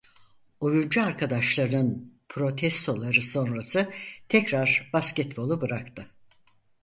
Oyuncu arkadaşlarının protestoları sonrası tekrar basketbolu bıraktı.